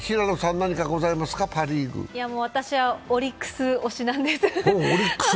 私はオリックス推しなんです。